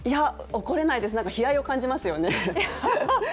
怒れないです、悲哀を感じますよね。